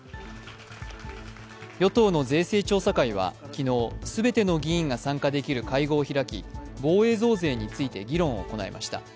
与党の税制調査会は昨日、全ての議員が参加できる会合を開き、防衛増税について議論を行いました。